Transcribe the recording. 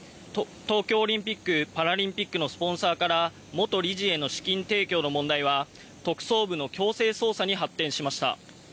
東京オリンピック・パラリンピックのスポンサーから元理事への資金提供の問題は特捜部の強制捜査に発展しました。